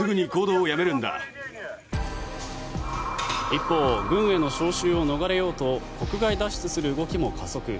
一方軍への招集を逃れようと国外脱出する動きも加速。